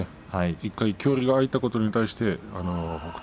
１回距離は空いたことに対して北勝